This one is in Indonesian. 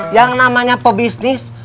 yang namanya pebisnis